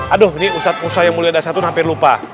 aduh ini ustadz musa yang mulia dah satu hampir lupa